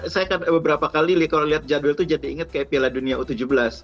saya kan beberapa kali kalau lihat jadwal itu jadi ingat kayak piala dunia u tujuh belas